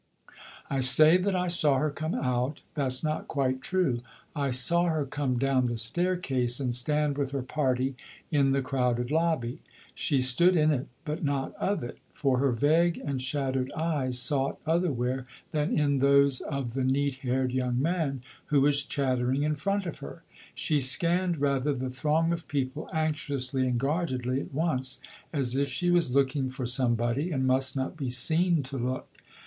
I say that I saw her come out, that's not quite true. I saw her come down the staircase and stand with her party in the crowded lobby. She stood in it, but not of it; for her vague and shadowed eyes sought otherwhere than in those of the neat haired young man who was chattering in front of her. She scanned, rather, the throng of people anxiously and guardedly at once, as if she was looking for somebody, and must not be seen to look.